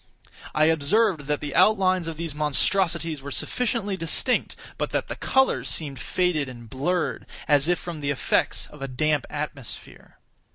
I observed that the outlines of these monstrosities were sufficiently distinct, but that the colors seemed faded and blurred, as if from the effects of a damp atmosphere.